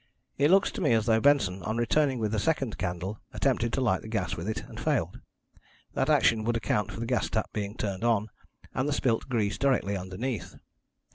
It looks to me as though Benson, on returning with the second candle, attempted to light the gas with it and failed. That action would account for the gas tap being turned on, and the spilt grease directly underneath.